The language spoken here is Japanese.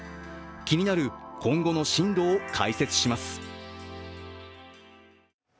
気になる今後の進路を解説します。